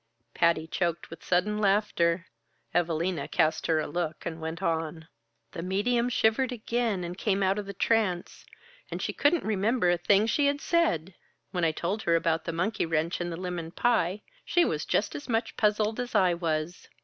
Patty choked with sudden laughter. Evalina cast her a look and went on. "The medium shivered again and came out of the trance, and she couldn't remember a thing she had said! When I told her about the monkey wrench and the lemon pie, she was just as much puzzled as I was.